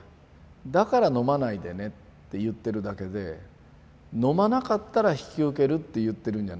だから飲まないでねって言ってるだけで飲まなかったら引き受けるって言ってるんじゃないんです。